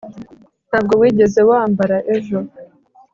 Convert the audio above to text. ntabwo wigeze wambara ejo